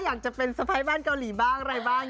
อยากจะเป็นสะพ้ายบ้านเกาหลีบ้างอะไรบ้าง